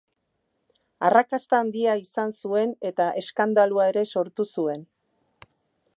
Arrakasta handia izan zuen, eta eskandalua ere sortu zuen.